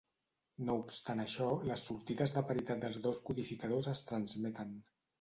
No obstant això, les sortides de paritat dels dos codificadors es transmeten.